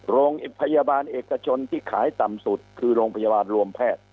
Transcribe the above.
โรงพยาบาลเอกชนที่ขายต่ำสุดคือโรงพยาบาลรวมแพทย์